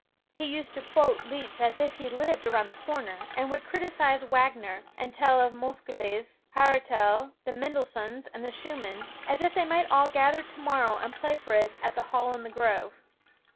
He used to quote Liszt as if he lived around the corner, and would criticize Wagner, and tell of Moescheles, Haertel, the Mendelssohns and the Schumanns, as if they might all gather tomorrow and play for us at the Hall in the Grove.